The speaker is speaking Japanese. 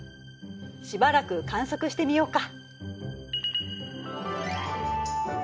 しばらく観測してみようか。